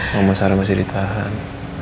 mama sara masih ditahan